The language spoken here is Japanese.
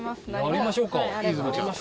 やりましょうか。